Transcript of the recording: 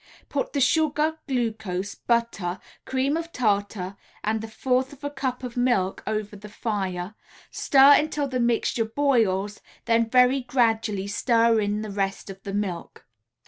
Put the sugar, glucose, butter, cream of tartar and the fourth a cup of milk over the fire, stir until the mixture boils, then very gradually stir in the rest of the milk.